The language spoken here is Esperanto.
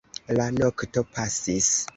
La nokto pasis.